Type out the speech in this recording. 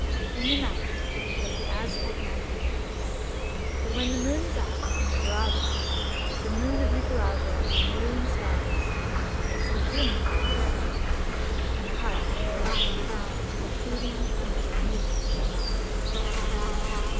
In the night there's the Aztec nightingale. But when the moon is up, in Nicaragua, The moon of Nicaragua and the million stars. It's the human heart that sings, and the heart of Nicaragua, To the pleading, plaintive music of guitars.